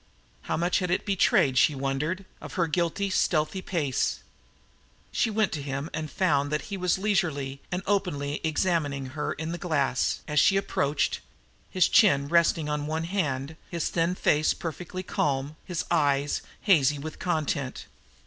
How much had it betrayed, she wondered, of her guiltily stealthy pace? She went to him and found that he was leisurely and openly examining her in the glass, as she approached, his chin resting on one hand, his thin face perfectly calm, his eyes hazy with content.